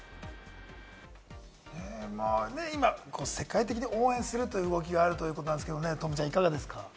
今、世界的に応援するという動きがあるということなんですけれども、十夢ちゃん、いかがですか？